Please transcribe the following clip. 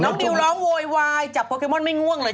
ดิวร้องโวยวายจับโปเกมอนไม่ง่วงเลย